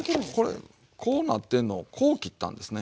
これこうなってんのをこう切ったんですね。